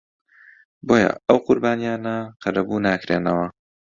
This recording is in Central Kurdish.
بۆیە ئەو قوربانییانە قەرەبوو ناکرێنەوە